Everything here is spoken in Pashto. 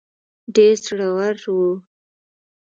ډېر زړه ور وو.